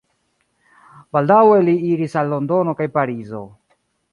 Baldaŭe li iris al Londono kaj Parizo.